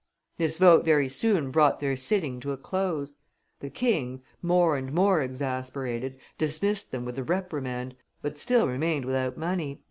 This vote very soon brought their sitting to a close. The King, more and more exasperated, dismissed them with a reprimand, but still remained without money.